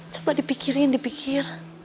coba dipikirin dipikir